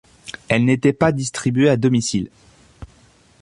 Elle n’était pas distribuée à domicile.